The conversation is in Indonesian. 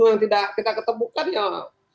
kalau tidak kita ketemukan ya apa yang kita lakukan